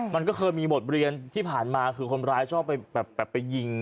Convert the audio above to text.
มันก็เคยมีบทเรียนที่ผ่านมาคือคนร้ายชอบไปแบบไปยิง